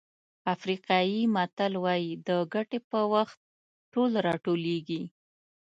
افریقایي متل وایي د ګټې په وخت ټول راټولېږي.